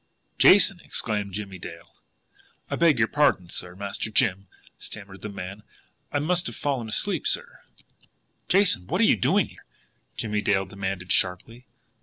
"Jason!" exclaimed Jimmie Dale again. "I beg pardon, sir, Master Jim," stammered the man. "I I must have fallen asleep, sir." "Jason, what are you doing here?" Jimmie Dale demanded sharply.